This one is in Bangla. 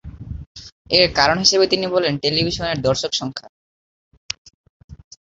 এর কারণ হিসেবে তিনি বলেন, "টেলিভিশনের দর্শক সংখ্যা।"